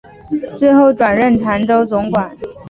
最后转任澶州总管。